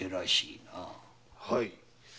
はい。